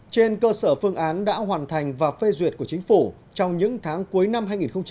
trên cơ sở phương án đã hoàn thành và phê duyệt của chính phủ trong những tháng cuối năm hai nghìn hai mươi